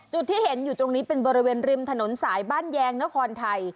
จุดที่เห็นที่ตรงนี้เป็นบริเวณริมถนนสายบ้านแยงของของท่าย